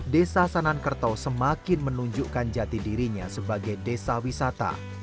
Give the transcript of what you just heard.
desa sanankerto semakin menunjukkan jati dirinya sebagai desa wisata